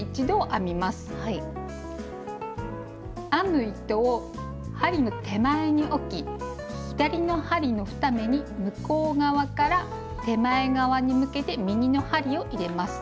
編む糸を針の手前に置き左の針の２目に向こう側から手前側に向けて右の針を入れます。